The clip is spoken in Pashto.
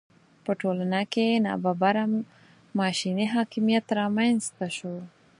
په ټولنه کې ناببره ماشیني حاکمیت رامېنځته شو.